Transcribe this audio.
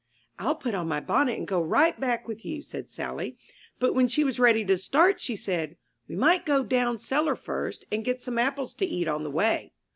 '* *'ril put on my bonnet and go right back with you," said Sally; but when she was ready to start she said, *'We might go down cellar first and get some apples to eat on the way."